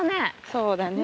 そうだね。